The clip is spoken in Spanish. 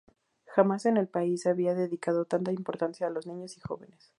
Jamás en el país se había dedicado tanta importancia a los niños y jóvenes.